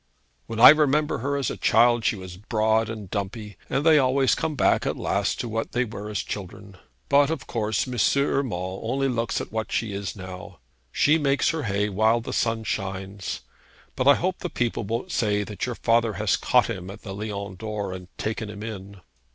'When I remember her as a child she was broad and dumpy, and they always come back at last to what they were as children. But of course M. Urmand only looks to what she is now. She makes her hay while the sun shines; but I hope the people won't say that your father has caught him at the Lion d'Or, and taken him in.'